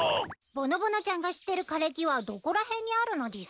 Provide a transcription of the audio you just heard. ぼのぼのちゃんが知ってる枯れ木はどこら辺にあるのでぃすか？